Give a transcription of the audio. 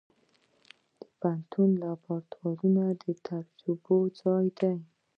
د پوهنتون لابراتوار د تجربو ځای دی.